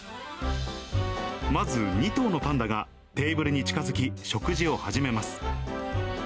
まず、２頭のパンダがテーブルに近づき、食事を始めます。